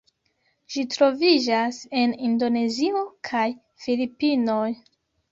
Ĝi troviĝas en Indonezio kaj Filipinoj.